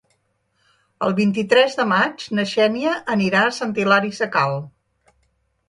El vint-i-tres de maig na Xènia anirà a Sant Hilari Sacalm.